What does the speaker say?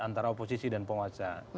antara oposisi dan penguasa